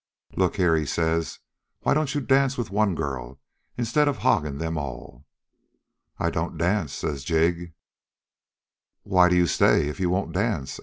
"'Look here,' he says, 'why don't you dance with one girl instead of hogging them all?' "'I don't dance,' says Jig. "'Why do you stay if you won't dance?'